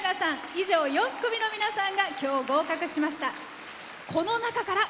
以上、４組の皆さんが今日、合格しました。